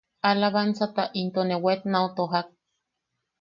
Alabansata into ne waet nau tojak.